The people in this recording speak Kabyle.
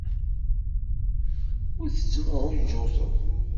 Ur tettemɛujjuteḍ.